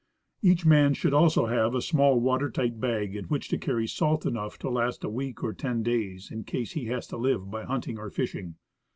Each man should also have a small water tight bag in which to carry salt enough to last a week or ten days, in case he has to live by hunting or fishing.